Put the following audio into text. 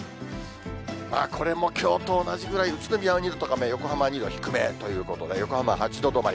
これもきょうと同じくらい、宇都宮は２度高め、横浜２度、低めということで、横浜８度止まり。